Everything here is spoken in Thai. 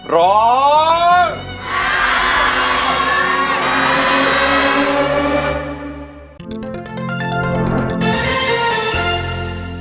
ร้อง